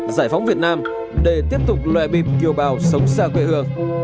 giải phóng việt nam để tiếp tục loài bịp kiều bào sống xa quê hương